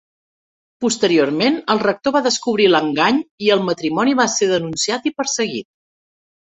Posteriorment el rector va descobrir l'engany i el matrimoni va ser denunciat i perseguit.